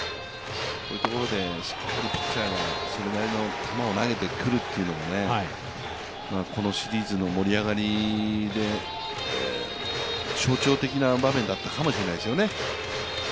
こういうところでしっかりピッチャーがそれなりの球を投げてくるというのもこのシリーズの盛り上がりで、象徴的な場面だったかもしれないですよね。